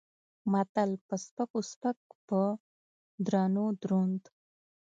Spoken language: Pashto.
متل: په سپکو سپک په درونو دروند.